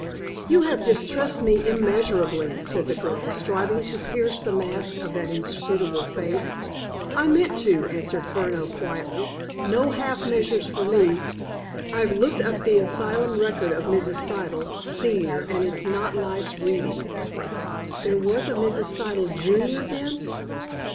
"You have distressed me immeasurably," said the girl, striving to pierce the mask of that inscrutable face. "I meant to," answered Furneaux quietly. "No half measures for me. I've looked up the asylum record of Mrs. Siddle, senior, and it's not nice reading." "There was a Mrs. Siddle, junior, then?"